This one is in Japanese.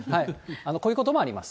こういうこともあります。